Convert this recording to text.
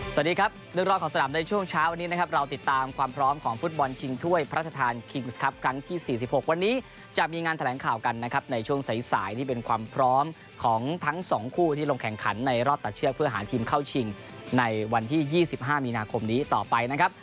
สวัสดีครับเรื่องรอยของสถานะของในช่วงเช้าวันนี้นะครับ